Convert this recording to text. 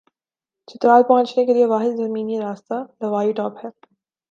چترال پہنچنے کے لئے واحد زمینی راستہ لواری ٹاپ ہے ۔